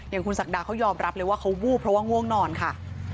อย่างคุณศักดาเขายอมรับเลยว่าเขาวูบเพราะว่าง่วงนอนค่ะ